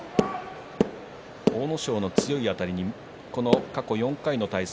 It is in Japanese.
阿武咲、強いあたりに過去４回の対戦。